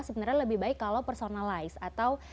sebenarnya lebih baik kalau personalize atau